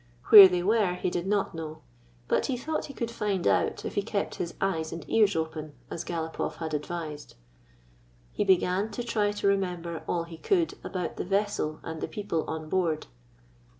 Where they were he did not know, but he thought he could find out if he kept his eyes and ears open, as Galopoff had advised. He began to try to remember all he could about the vessel and the people on board.